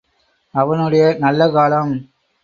அவனுடைய நல்ல காலம்.